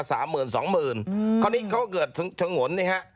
คราวนี้เขาก็เกิดฉงนเนี่ยฮะ